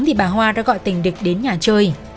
thì bà hoa đã gọi tình địch đến nhà chơi